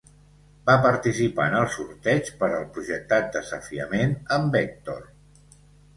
Va participar en el sorteig per al projectat desafiament amb Hèctor.